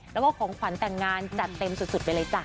แล้วก็ของขวัญแต่งงานจัดเต็มสุดไปเลยจ้ะ